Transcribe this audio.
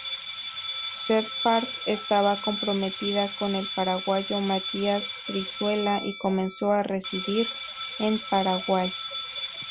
Sheppard estaba comprometida con el paraguayo Matías Brizuela y comenzó a residir en Paraguay.